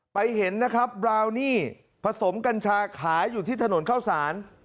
เห็นนะครับบราวนี่ผสมกัญชาขายอยู่ที่ถนนเข้าสาร